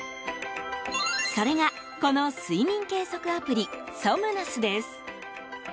それが、この睡眠計測アプリＳｏｍｎｕｓです。